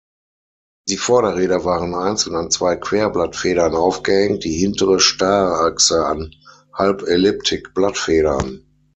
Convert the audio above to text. Die Vorderräder waren einzeln an zwei Querblattfedern aufgehängt, die hintere Starrachse an Halbelliptik-Blattfedern.